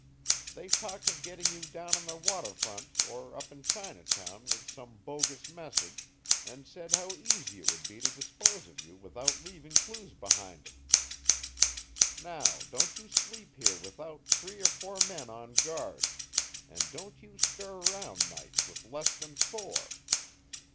They talked of getting you down on the water front or up in Chinatown with some bogus message and said how easy it would be to dispose of you without leaving clues behind 'em. Now, don't you sleep here without three or four men on guard, and don't you stir round nights with less than four.